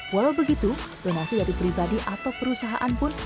walaubgitu donasi dari pribadi atau perusahaan pun